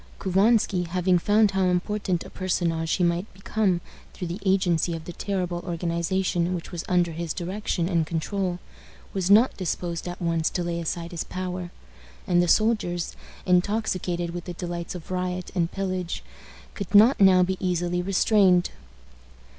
Couvansky, having found how important a personage he might become through the agency of the terrible organization which was under his direction and control, was not disposed at once to lay aside his power; and the soldiers, intoxicated with the delights of riot and pillage, could not now be easily restrained.